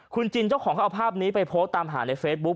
คุณจินเจ้าของเขาเอาภาพนี้ไปโพสต์ตามหาในเฟซบุ๊ค